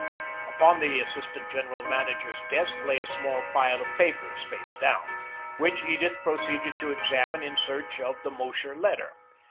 Upon the assistant general manager's desk lay a small pile of papers, face down, which Edith proceeded to examine in search of the Mosher letter.